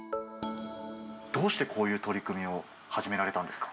どうして、こういう取り組みを始められたんですか？